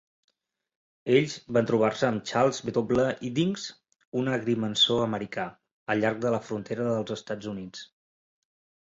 Ells van trobar-se amb Charles W. Iddings, un agrimensor americà, al llarg de la frontera dels Estats Units.